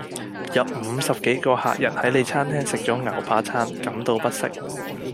有五十幾個客人喺你餐廳食咗牛扒餐，感到不適